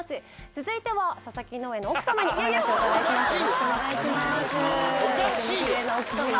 続いては佐々木農園の奥様にお話をお伺いします。